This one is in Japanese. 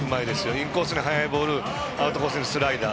インコースに速いボールアウトコースにスライダー。